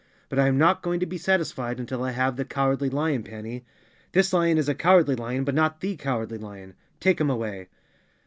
But I am not going to be satisfied until I have the Cowardly Lion, Panny. This lion is a cowardly lion but not the Cow¬ ardly Lion. Take him away!"